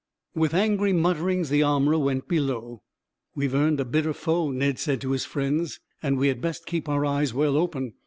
With angry mutterings, the armorer went below. "We have earned a bitter foe," Ned said to his friends, "and we had best keep our eyes well open.